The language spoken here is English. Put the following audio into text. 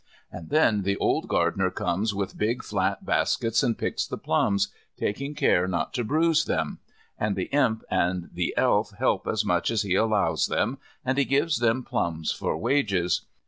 And then the old gardener comes with big flat baskets and picks the plums, taking care not to bruise them. And the Imp and the Elf help as much as he allows them and he gives them plums for wages.